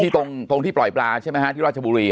ตรงที่ปล่อยปลาใช่ไหมฮะที่ราชบุรี